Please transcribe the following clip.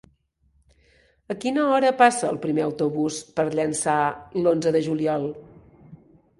A quina hora passa el primer autobús per Llançà l'onze de juliol?